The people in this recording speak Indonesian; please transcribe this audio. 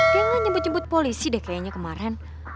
kayaknya nyebut nyebut polisi deh kayaknya kemarin